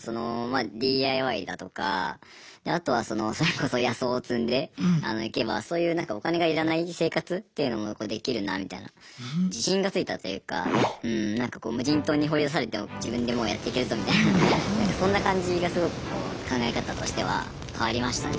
ＤＩＹだとかあとはそれこそ野草を摘んでいけばそういうお金が要らない生活っていうのもできるなみたいな自信がついたというか無人島に放り出されても自分でもうやっていけるぞみたいなそんな感じがすごくこう考え方としては変わりましたね。